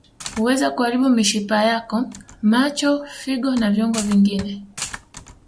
Huweza kuharibu mishipa yako macho figo na viungo vingine